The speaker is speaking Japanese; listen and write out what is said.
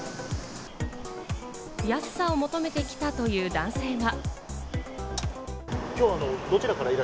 安さを求めてきたという男性は。